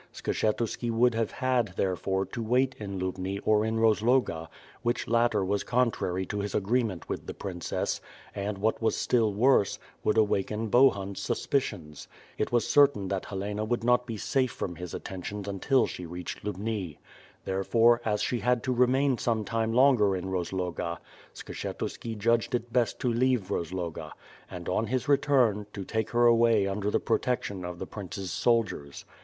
Skshetuski would have had, therefore, to wait in Lubni or in Rozloga, which latter was contrary to his agreement with the princess — and what was still worse, would awaken Bohun's suspicions. It was certa'n that Helena would not be safe from his attentions until she reached Lubni. Therefore, as she had to remain ome time longer in Kozloga, Skshetuski judged it best to leave Rozloga, and on his return, to take her away under the protection of the prince's soldiers.